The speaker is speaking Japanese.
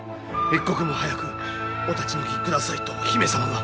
一刻も早くお立ち退きくださいと姫様が。